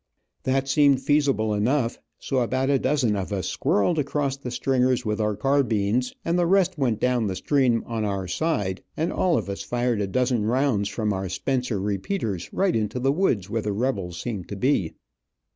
That seemed feasible enough, so about a dozen of us squirreled across the stringers with our carbines, and the rest went down the stream on our side, and all of us fired a dozen rounds from our Spencer repeaters, right into the woods where the rebels seemed to be.